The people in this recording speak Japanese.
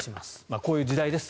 こういう時代です。